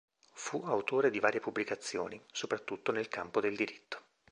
Fu autore di varie pubblicazioni, soprattutto nel campo del diritto.